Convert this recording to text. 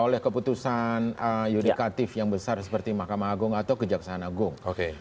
oleh keputusan yudikatif yang besar seperti mahkamah agung atau kejaksaan agung